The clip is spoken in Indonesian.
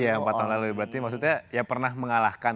iya empat tahun lalu berarti maksudnya ya pernah mengalahkan